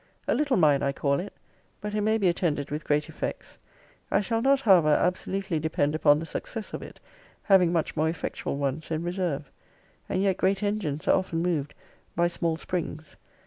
A little mine, I call it. But it may be attended with great effects. I shall not, however, absolutely depend upon the success of it, having much more effectual ones in reserve. And yet great engines are often moved by small springs.